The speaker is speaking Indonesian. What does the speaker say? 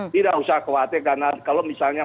tidak usah khawatir karena kalau misalnya